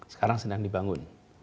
sekarang sedang dibangun